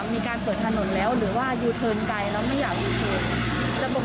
มีการเปิดถนนแล้วหรือว่ายูเทิร์นไกลแล้วไม่อยากยูเทิร์น